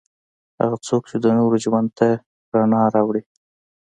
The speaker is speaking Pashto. هغه څوک چې د نورو ژوند ته رڼا راوړي.